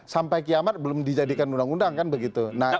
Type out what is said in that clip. sampai kiamat belum dijadikan undang undang kan begitu